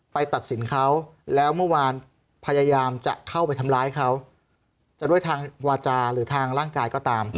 ตัดสินเขาแล้วเมื่อวานพยายามจะเข้าไปทำร้ายเขาจะด้วยทางวาจาหรือทางร่างกายก็ตาม